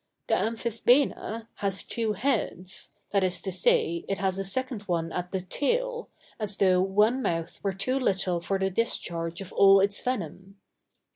The amphisbæna has two heads, that is to say, it has a second one at the tail, as though one mouth were too little for the discharge of all its venom.